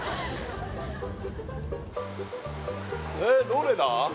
どれだ？